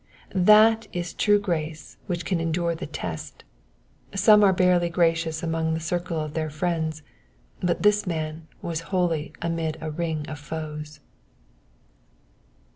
That i3 true grace which can endure the test : some are barely gracious among the circle of their fnends, but this man was holy amid a ring of foes.